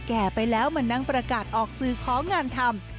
แก่ไปแล้วมานั่งประกาศออกสื่อของานทำ